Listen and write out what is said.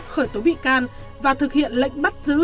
khởi tố bị can và thực hiện lệnh bắt giữ